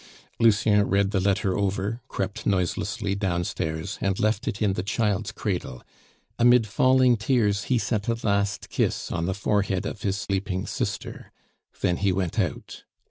Lucien read the letter over, crept noiselessly down stairs, and left it in the child's cradle; amid falling tears he set a last kiss on the forehead of his sleeping sister; then he went out.